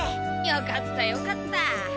よかったよかった。